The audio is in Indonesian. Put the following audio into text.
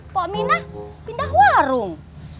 poh minah pindah warung